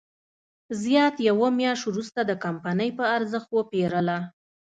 زیات یوه میاشت وروسته د کمپنۍ په ارزښت وپېرله.